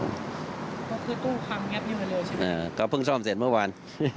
ก็คือตู้พังงับอยู่หมดเลยใช่ไหมก็เพิ่งซ่อมเสร็จเมื่อวาน